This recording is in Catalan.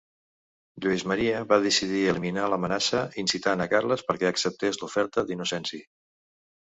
Lluís Maria va decidir eliminar l'amenaça incitant a Carles perquè acceptés l'oferta d'Innocenci.